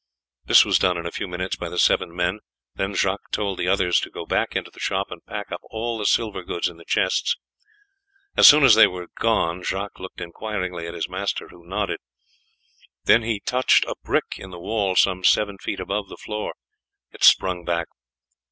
This was done in a few minutes by the seven men, then Jacques told the others to go back into the shop and pack up all the silver goods in the chests. As soon as they were gone Jacques looked inquiringly at his master, who nodded. Then he touched a brick in the wall some seven feet above the floor; it sprung back.